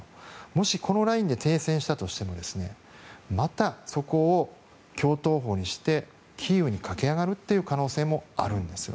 もし、このラインで停戦したとしてもまたそこを橋頭保にしてキーウに駆け上がるという可能性もあるんです。